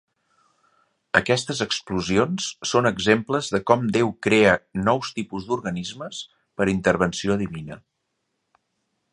Aquestes explosions són exemples de com Déu crea nous tipus d'organismes per intervenció divina.